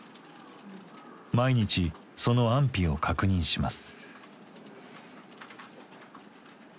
毎日その安否を確認します。